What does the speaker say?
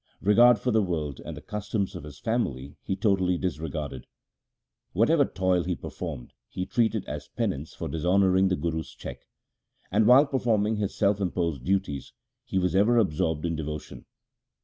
Regard for the world and the customs of his family he totally disregarded. Whatever toil he performed he treated as penance for dis honouring the Guru's cheque, and while perform ing his self imposed duties, he was ever absorbed in devotion.